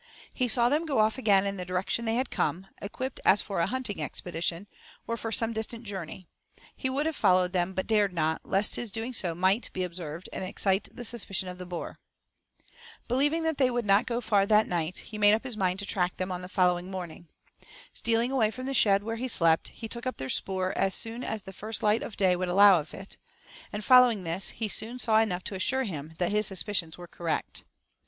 He saw them go off again in the direction they had come, equipped as for a hunting expedition, or for some distant journey. He would have followed them, but dared not, lest his doing so might be observed and excite the suspicion of the boer. Believing that they would not go far that night, he made up his mind to track them on the following morning. Stealing away from the shed, where he slept, he took up their spoor as soon as the first light of day would allow of it, and, following this, he soon saw enough to assure him that his suspicions were correct.